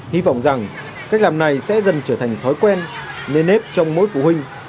hy vọng rằng cách làm này sẽ dần trở thành thói quen nền ép trong mỗi phụ huynh